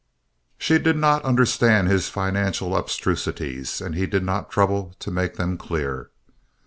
She did not understand his financial abstrusities, and he did not trouble to make them clear.